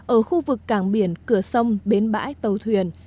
ở khu vực cảng biển cửa sông bến bãi tàu thuyền